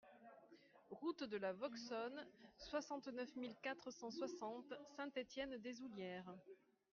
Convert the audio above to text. Route de la Vauxonne, soixante-neuf mille quatre cent soixante Saint-Étienne-des-Oullières